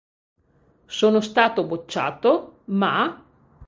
Sono stato bocciato, ma...